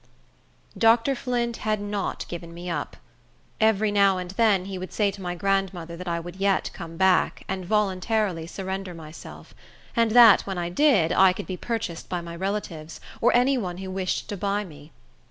Dr. Flint had not given me up. Every now and then he would say to my grandmother that I would yet come back, and voluntarily surrender myself; and that when I did, I could be purchased by my relatives, or any one who wished to buy me.